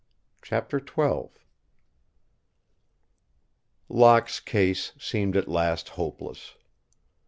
CHAPTER XII Locke's case seemed at last hopeless.